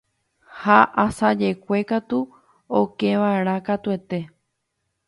Ha asajekue katu okeva'erã katuete.